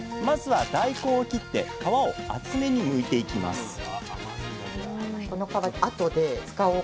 まずは大根を切って皮を厚めにむいていきます